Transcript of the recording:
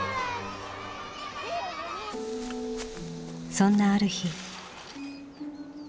そんなある日。